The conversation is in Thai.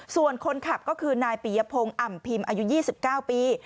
ส่วนคนขับก็คือนายปียพงศ์อ่ำพิมพ์อายุ๒๙ปี